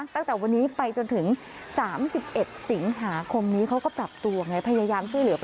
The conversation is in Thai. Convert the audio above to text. ตั้งแต่วันนี้ไปจนถึง๓๑สิงหาคมนี้เขาก็ปรับตัวไง